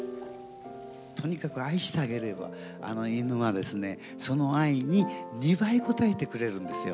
とにかく愛してあげれば、犬はですね、その愛に２倍応えてくれるんですよ。